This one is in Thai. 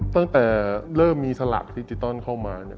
ตั้งแต่เริ่มมีสลากดิจิตอลเข้ามาเนี่ย